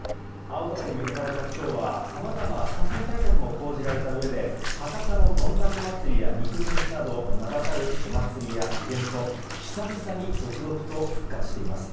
青空に恵まれた今日はさまざまな感染対策も講じられたうえで博多のどんたくまつりや肉フェスなど名だたるお祭りやイベント久々に続々と復活しています。